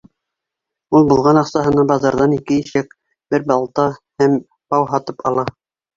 Ул булған аҡсаһына баҙарҙан ике ишәк, бер балта һәм бау һатып ала.